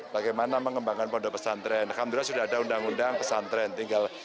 bagaimana mengembangkan pondok pesantren alhamdulillah sudah ada undang undang pesantren tinggal